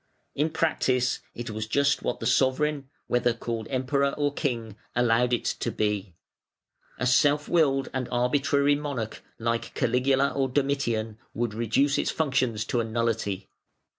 In practice it was just what the sovereign, whether called Emperor or King, allowed it to be. A self willed and arbitrary monarch, like Caligula or Domitian, would reduce its functions to a nullity.